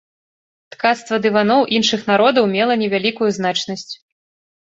Ткацтва дываноў іншых народаў мела невялікую значнасць.